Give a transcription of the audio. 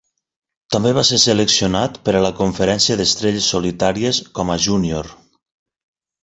També va ser seleccionat per a la Conferència d'Estrelles Solitàries com a júnior.